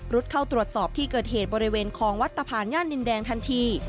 เข้าตรวจสอบที่เกิดเหตุบริเวณคลองวัดตะพานย่านดินแดงทันที